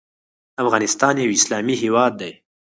افغانستان یو اسلامي هیواد دی